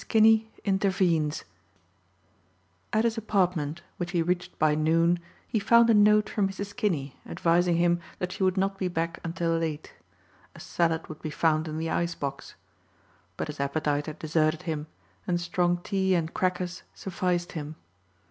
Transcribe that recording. KINNEY INTERVENES AT his apartment, which he reached by noon, he found a note from Mrs. Kinney advising him that she would not be back until late. A salad would be found in the ice box. But his appetite had deserted him and strong tea and crackers sufficed him.